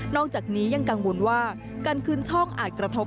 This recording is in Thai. อกจากนี้ยังกังวลว่าการคืนช่องอาจกระทบ